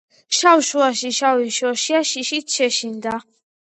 შავ შუშაში შავი შოშია შიშით შეშინდა.